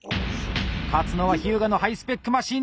勝つのは日向のハイスペックマシン